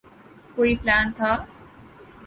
کوئی پلان تھا۔